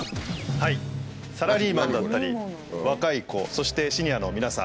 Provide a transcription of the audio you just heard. サラリーマンだったり若い子そしてシニアの皆さん。